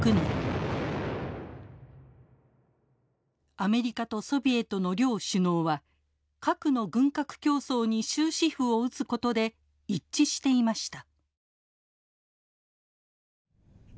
アメリカとソビエトの両首脳は核の軍拡競争に終止符を打つことで一致していました。